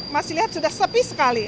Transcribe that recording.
masih lihat sudah sepi sekali